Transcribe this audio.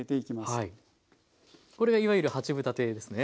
これがいわゆる八分立てですね。